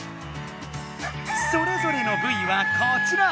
それぞれのぶいはこちら。